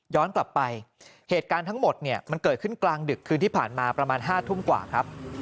กลับไปเหตุการณ์ทั้งหมดเนี่ยมันเกิดขึ้นกลางดึกคืนที่ผ่านมาประมาณ๕ทุ่มกว่าครับ